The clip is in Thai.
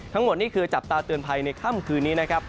ทั้งหมดนี่คือจับตาเตือนภัยในค่ำคืนนี้นะครับ